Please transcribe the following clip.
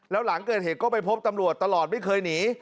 แล้วหลังเกิดเหตุก็ไปพบตำรวจตลอดไม่เคยหนี